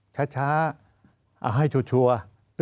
ช้าเอาให้ชัวร์